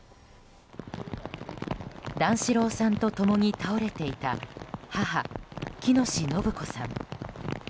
段四郎さんと共に倒れていた母・喜熨斗延子さん。